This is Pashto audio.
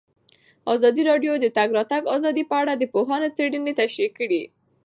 ازادي راډیو د د تګ راتګ ازادي په اړه د پوهانو څېړنې تشریح کړې.